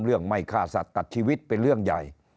ไม่ฆ่าสัตว์ตัดชีวิตเป็นเรื่องใหญ่